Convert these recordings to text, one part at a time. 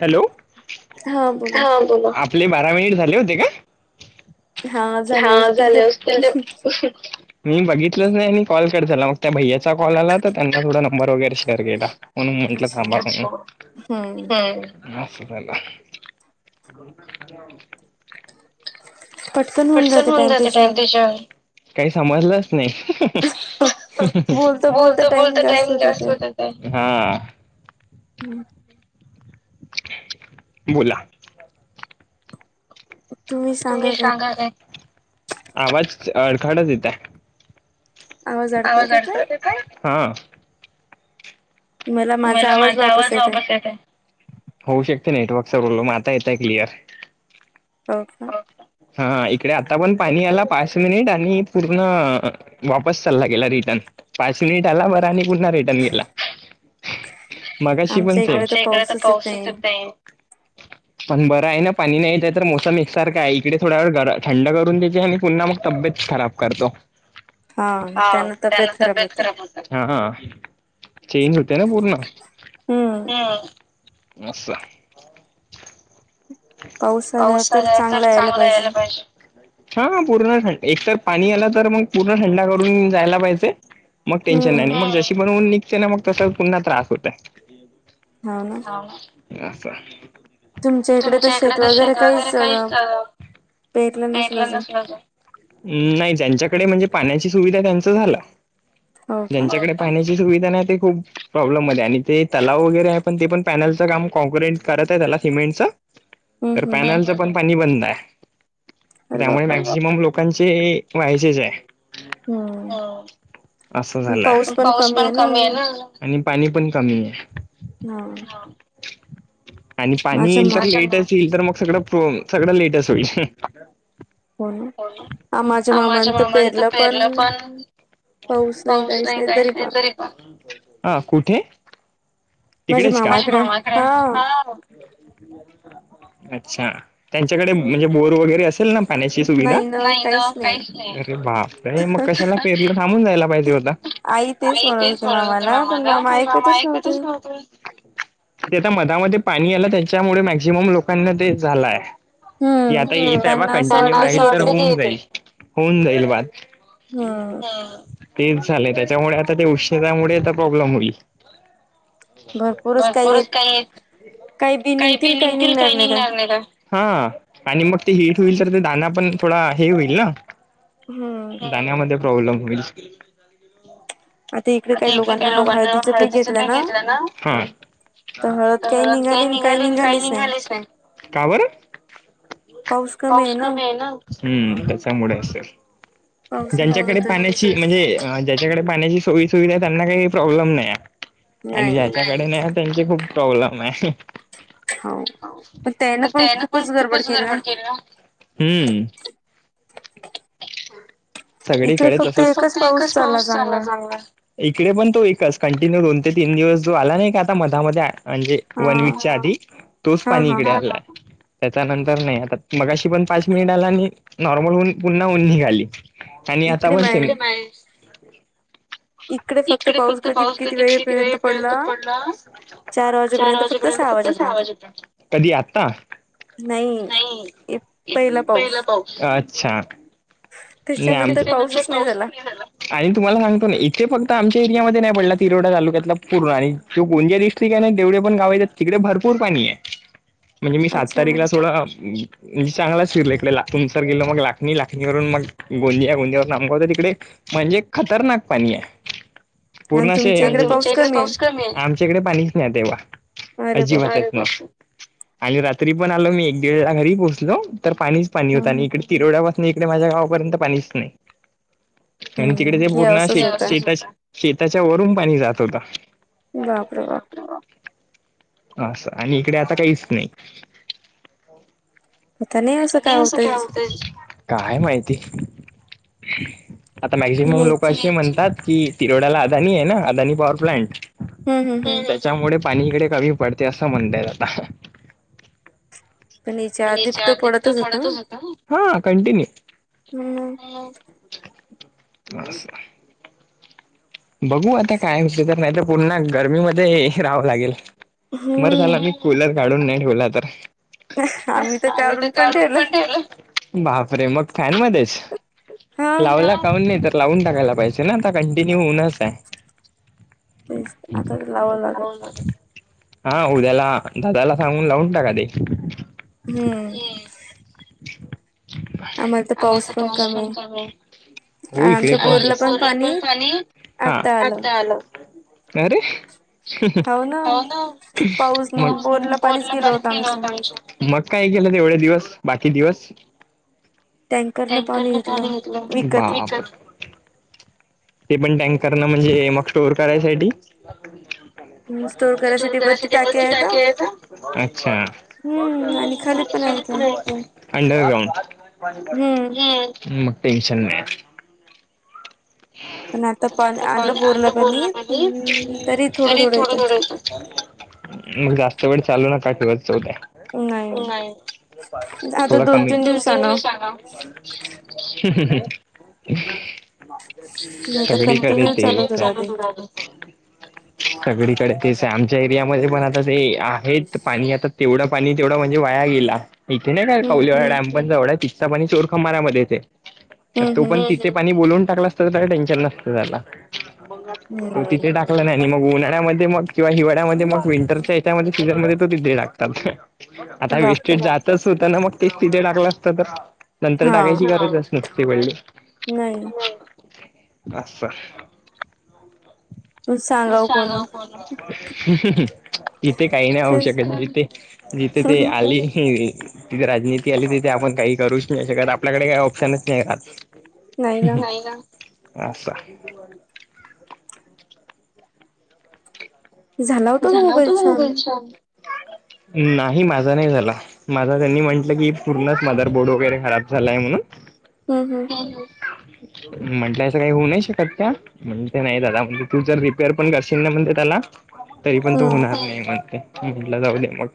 Hello हा बोला आपले बारा मिनिट झाले होते. का हा झालं असतील ते. मी बघितलंच नाही आणि कॉल कर झाला. मग त्या भैय्याचा कॉल आला तर त्यांना थोडा नंबर वगैरे शेअर केला म्हणून म्हंटलं थांबा. असस झाला. पटकन होऊन जात टाइम त्याच्यावर काही समजलंच नाही. बोलत बोलत टाईम जास्त होत. हम्म. बोला. तुम्ही सांगा आवाज अडखळत येते. आवाज अडतोय. ते काय मला माझा आवाज वापस येत होऊ शकते. नेटवर्कचा प्रॉब्लेम आता येतय क्लिअर. हो का. हा इकडे आता पण पाणी आला पाच मिनिट आणि पूर्ण वापस चालला गेला रिटर्न पाच मिनिट आला. बर आणि पुन्हा रिटर्न गेला. मगाशी पण आमच्याकडे पाऊसच येत नाही. पण बरं आहे ना पाणी नाही तर मोसम एकसारख आहे इकडे थोड्या वेळ ग थंड करून द्याेत आणि पुन्हा मग तब्येत खराब करतो हा त्यांना तबेत खराब होत. हा हा चेंज होते ना पूर्ण असं. पाऊस आला तर चांगलं यायला पाहिजे. हा पूर्णं एकतर पाणी आलं तर मग पूर्ण थंडा करून जायला पाहिजे. मग टेन्शन नाही मग जशी पण ऊन निघते ना मग तसा पुन्हा त्रास होतय. हा ना? अस तुमच्या इकडे तर शेत वगैरे काहीचलं पेरलं नसलं नाही ज्यांच्याकडे म्हणजे पाण्याची सुविधा त्यांच झाला ज्यांच्याकडे पाण्याची सुविधा नाहीते खूप प्रॉब्लेम मध्ये आणि ते तलाव वगैरे आहे पण ते पण पॅनलचं काम कॉक्रिट करत आहे त्याला सिमेंटचं तर पॅनलचं पण पाणी बंद आहे त्यामुळे मॅक्सिमम लोकांचे व्हायचेच आहे. अस झालं पाऊस पण कमी आहे ना. आणि पाणी पण कमी आहे. हा. आणि पाणी येईल. लेटस्ट येईल तर मग सगळं सगळं लेटेस्ट होईल. हो माझ्या मामाने तर पेरलं पण. पाऊस नाही काहीच नाही तरी पण हा कुठे? तिकडेच का अच्छा. त्यांच्याकडे म्हणजे बोर वगैरे असेल ना पाण्याची सुविधा अरे बा मग कशाला पेरल थांबून जायला पाहिजे होत. [unintelligible] तेता मधामध्ये पाणी आला त्याच्यामुळे मॅक्सिमम लोकांना ते झालंय. की आता येत आहे बा कंटिन्यू राही तर होऊन जाईल होऊन जाईल बात. तेच झालंय त्याच्यामुळे आता ते उष्णतामुळे आता प्रॉब्लेम होइल. भरपूरच काही काही बी निघतील काही निघणार नाही का? हा आणि मग ते हीट होईल तर ते दाना पण थोडा हे होईल ना. हम. ण्यामध्ये प्रॉब्लेम होईल. आता इकडे काही लोकांना हळदीच पीक घेतलं ना आ काही निघाले काही निघालेच नाही का बर? पाऊस कमी आहे ना हम्म त्याच्यामुळे असेल. ज्यांच्याकडे पाण्याची म्हणजे ज्यांच्याकडे पाण्याची सोयी सुविधा आहे त्यांना काही प्रॉब्लेम नाही आहे. आणि ज्याच्याकडे नाही त्यांचे खूप प्रॉब्लेम आहे. तर त्यान पण खूपच गडबड केली ना हम्. सगळीकडे फक्त एकच पाऊस चाला चांगला. इकडे पण तो एकच कंटिन्यू दोन ते तीन दिवस जो आला नाही का आता मधामध्ये म्हणजे वन वीकच्या आधी तोच पाणी इकडे आलाय. त्याच्या नंतर नाही आता मगाशी पण पाच मिनिट आला आणि नॉर्मल होऊन पुन्हा ऊन निघाली. आणि आता बण इकडे फक्त पाऊस कधी किती वेळ पर्यंत पडला. चार वाजेपर्यंत फक्त सहा वाजेपर्यंत कधी आता? नाही पहिला पाऊस, अच्छा. नाही आमच्या पाऊसच नाई आला. आणि तुम्हाला सांगतो ना इथे फक्त आमच्या एरिया मध्ये नाही पडला तिरोडा तालुक्यातला पूर्ण आणि त्यो गुंजरडिस्टिक्ट आहे ना तेवे पण गावा येतात तिकडे भरपूर पाणी आहे. म्हणजे मी सात तारीखला सोडा म्हणजे चांगलाच फिरल इकडे तुमसर गेलो मग लाखणी लाग आणि वरून मग गोंदिया गोंदियावर लाबगवत तिकडे म्हणजे खतरनाक पाणी आहे. पूर्ण असे आमच्याकडे पाणीच नाही तेव्हा. अजिबातच आणि रात्री पण आलो मी एक दीड ला घरी पोहोचलो तर पाणीच पाणी होत आणि इकडे तिरोड्या इकडे माझ्या गावापर्यंत पाणीच नाही आणि तिकडे ते पूर्ण श शेता शेताच्या वरून पाणी जात होत. बापर बपर असं आणि इकडे आता काहीच नाही नव सुखगत काय माहिती आता मॅक्झिमम लोक अशी म्हणतात की तिरोडाला अदानी आहे ना अदानी पॉवर प्लां्ट त्याच्यामुळे पाणीकडे कमी पडते असं म्हणतायेत आता पण याच्या आधी फडतच होता, हा कंटिन्यू हम्. [inaudible] बघू आता काय होतय तर नाही तर पुन्हा गरमीमध्ये राहावं लागेल बरं झालं मी कुलर काढून नाही ठेवला तर आम्ही तर काढून पण ठेवलं. बापरे मग फॅन मध्येच लावला काऊन नाही तर लावून टाकाय पाहिजे ना आ कंटिन्यू होऊ [inaudible] हा उद्याला दादाला सांगून लावून टाका ते हम्म आ्हा तर त अशण कर हो इकडे पण प हा या र हो ना बरला त नव पा मग काय केलं ते एवढे दिवस बाकी दिवस अँकरने काणी घेतलं ते पण टँकर न म्हणजे मग स्टोअर करायसाठी ोर करा ब टकछ अंडरग्राउंड मग टेशन नाही पा अंड पोरला पाणी तरी थोडं थोडं येत मग जास्त वेळ चालू नका ठेवा चौद्या नाही दोन तीन दिवसगा हम् हम् हम सगडी करच सगळीकडे तेच आमच्या एरियामध्ये पण आता ते आहे पाणी आता तेवढं पाणी तेवढा म्हणजे वाया गेला इथे नाही का कवलेवाडा डॅम पण जवढा तिस्सापणी चोरखंमारमध्येथे तर तो पण तिथे ब टाे नाही मग उन्हाळ्यामध्ये मग किंवा हिवाळ्यामध्ये मग विंटरच्या हच्यामध्ये सीझन मध्ये तो तिथरी टाकतात आता वेस्टेज जातच होतं ना मग तेच तिथे टाकलं असत तर नंतर टाकायची गरजच नुकती वडली नाही असचा तू सांगाव कोण तिथे काही नाही होू शकल जिथे जिथे ते आली तिथे राजनीती आली तिथे आपण काही करूच नाही शकत आपल्याकडे काही ऑप्शनच नाही का नाही ना झाला होत मुल नाही माझा नाही झाला माझा त्यांनी म्हंटलं की पूर्णच मदरबोर्ड वगैरे खराब झालाय म्हणून हम् हम् म्हटलं असं काही होऊ नाही शकत त्या म्हणते नाही दादा म्हण तुचर रिपेअर पण करशील ना म्हणते त्याला तरी पण तू होणार नाही म्हणते म्हटलं जाऊ दे मग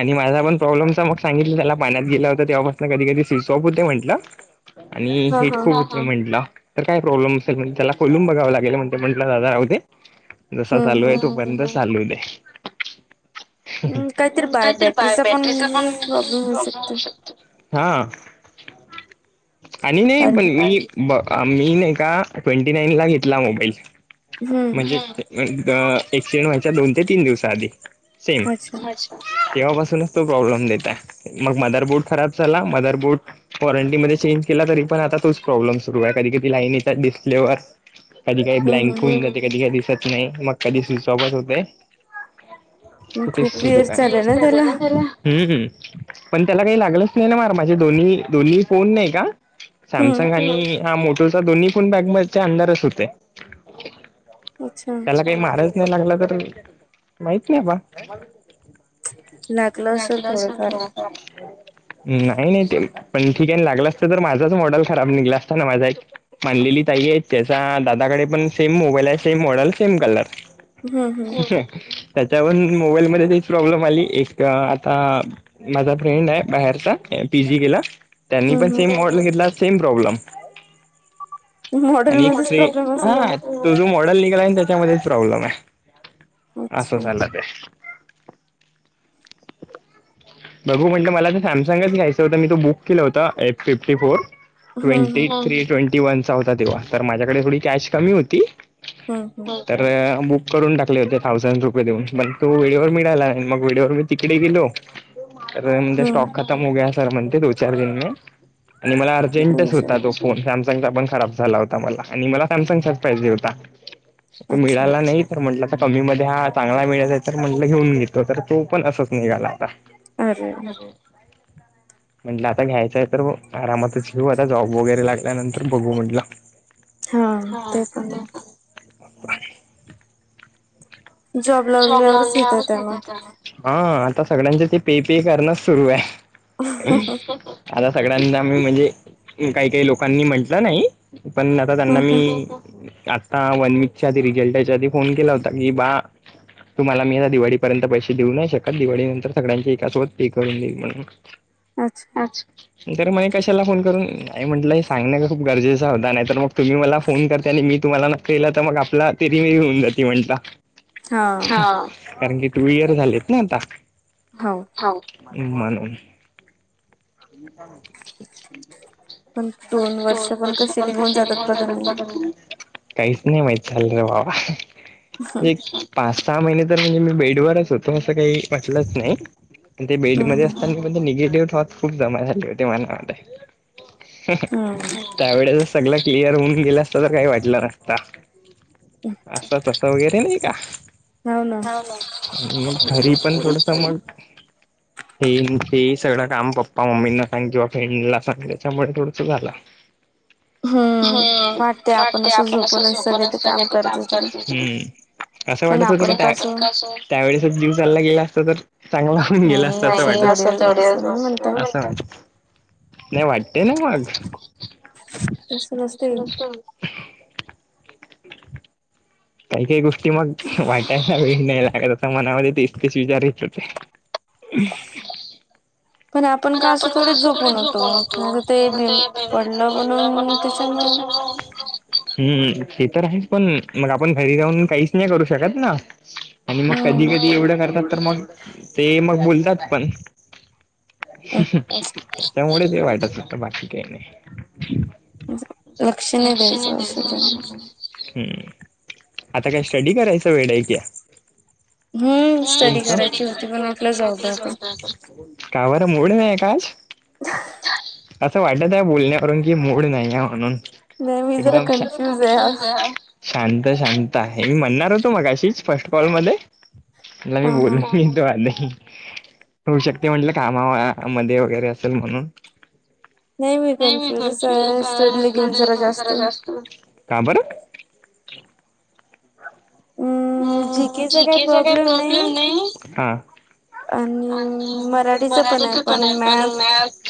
आणि माझा पण प्रॉब्लेमचा मग सांगितलं त्याला पाण्यात गेला होतता तेव्हापासून कधी कधी स्विच ऑफ होते म्हंटलं आणि हे खूप म्हटलं तर काय प्रॉब्लेम असेल म्हण त्याला कोलून बघावं लागेल म्हण म्हटलं दादा रावते जसा चालू आहे तोपर्यंत चालू दे काहीतरी बा बॅटरीच पण हा आणि नाही पण मी ब मी नाही का ट्वेंटी नाईन ला घेतला मोबाईल म्हणजे एक्सिडेंट व्हायच्या दोन ते तीन दिवसा आधी सेम तेव्हापासूनच तो प्रॉब्लेम देत मग मदर बोट खराब झाला मदर बोट वॉरंटी मध्ये चेंज केला तरी पण आता तोच प्रॉब्लेम सुरू आहे कधी कधी लाईन येतात डिस्प्लेवर कधी काही ब्लँक होऊन जाते कधी काही दिसत नाही मग कधी स्विच ऑफच होते ना तेला हम्म् पण त्याला काही लागलंच नाही ना म माझे दोन्ही दोन्ही फोन नाही का सॅमसंग आणि हा मोटोचा दोन्ही पण बॅग मचे अंधारच होते अच्छा माराज यायला लागलं तर माहित आहे बा लागदा सु ख नाही नाही ते पण ठीक आहे लागलं असतं तर माझाच मॉडेल खराब निघला असता ना माझा एक मांनलेली ताई आहेत त्याचा दादाकडे पण सेम मोबाईल आहे सेम मॉडल सेम कलर हम् त्याच्यावरून मोबाईलमध्येध्ये काही प्रॉब्लेम आली एक आता माझा फ्रेंड आहे बाहेरचा पीजी केला त्यांनी पण सेम मॉडल घेतला सेम प्रॉब्लेम आणि ते हा तो जो मॉडेल निघाला आहे त्याच्यामध्येच प्रॉब्लेम आहे अस सु सल ते बघू म्हटलं मला तर सॅमसंगच घ्यायचं होत मी तो बुक केला होता F fifty four twenty three twenty one चा होता तेव्हा तर माझ्याकडे थोडी कॅश कमी होती हम हम तर बुक करून टाकले होते थउजंड रुपये देऊन मण तू व्हिडिओवरर मिळााला नाही मग व्हिडिओवर मी तिकडे गेलो तर म्हणजे स्टॉक खतम होग्या सर म्हणते दो चार दिन मी आणि मला अर्जेंटच होता तो फोन सॅमसंगचा पण खराब झाला होता मला आणि मला सॅमसंगचाच पाहिजे होता तो मिळाला नाही तर म्हटलं कमी मध्ये हा चांगला मिळेत आहे तर म्हटलं घेऊन घेतो तर तो पण असंच नाहीघाला आता अ म्हंटलं आता घ्यायचंय तर आरामातच घेऊ आता जॉब वगैरे लागल्यानंतर बघू म्हटलं हा ते पण जॉब लावन आ स तर त्याला हा आता सगळ्यांचे ते पे पे करणच सुरु आहे आता सगळ्यांना मी म्हणजे काही काही लोकांनी म्हंटलं नाही पण आता त्यांना मी हा वन वीकच्या आधी रिझल्टच्या आधी फोन केला होता की बा तुम्हाला मी आता दिवाळीपर्यंत पैसे देऊ नाही शकत दिवाळी नंतर सगळ्यांचे एकाोत पे करून देई म्हणून [inaudible] अच्छा अचज तर मणे कशाला फोन करून नाही म्हटलंय सांगण्या खूप गरजेचं होता नाही तर मग तुम्ही मला फोन करते आणि मी तुम्हाला ना केला तर मग आपला तेरी मिरी होऊन जाते म्हणता हा कारण की टू इयर झालेत ना आता हो म्हण कतो वर्ष मलत शेली जगत त [inaudible] काहीच नाही माहि चाल र बाबा एक पाच सहा महिने तर म्हणजे मी बेडवररच होतो असं काही वाटलंच नाही ते बेडमध्येध्ये असताना निगेटिव्ह थॉट खूप जमा झाले होते मना वा त्यावेळे सगळ क्लिअर होऊन गेलं असत तर काही वाटलं नसता असतस्ता वगैरे नाही का मग घरी पण थोडस मग हे ते सगळं काम पप्पा मम्मीना सांग किंवा फ्रेंडला सांग त्याच्यामुळे थोडस झालं [inaudible] हा हम्म म ते आपण अस झोपणचरी काम करत [inaudible] वाटत होत का त्या त्यावेळेस जीव चालला गेला असतो तर चांगला गेलं असतं वाटत असं वाट नाही वाटते ना मग, [inaudible] काही काही गोष्टी मग वाटायला वेळ नाही लागत असता मनामध्ये तेच तेच विचारच होते. ह पण आपण का असं थोडीच झोपून होतो ते भी पडलं म्हणून त्याच्यामु हो हम्म हे तर आहेच पण मग आपण घरी जाऊन काहीच नाही करू शकत ना, आणि मग कधी कधी एवढं करतात तर मग ते मग बोलतात पण त्यामुळेच हे वाईटच हो बाकी काही नाही. लक्ष नाही दयायचा. हम्म आता काय स्टडी करायचं वेळ आहे की. ह स्टडी करायचा, कावार मोड नाही काज ह असं वाटत आहे बोलण्यावरून कि मूड नाही आहे म्हणून एकदम शांत शांत आहे मी म्हणणार होतो मग अशीच फर्स्ट कॉल मध्ये मला मी बोल आ होऊ शकते म्हटलं कामा मध्ये वगैरे असेल म्हणून नाही मी तचीडलीन जरा जास्त बर अम् जीके चा काही प्रॉब्लेम नाही. आणि मराठीच पण आहे पण मॅथ